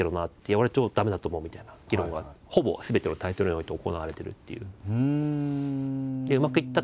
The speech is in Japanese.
「俺超駄目だと思う」みたいな議論がほぼすべてのタイトルにおいて行われてるっていう。